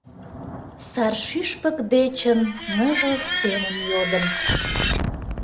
Сар шӱшпык дечын ныжыл семым йодым.